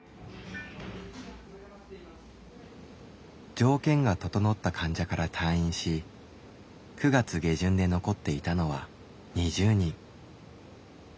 条件が調った患者から退院し９月下旬で残っていたのは２０人。